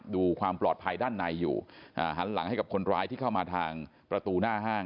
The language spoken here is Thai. ดูความปลอดภัยด้านในอยู่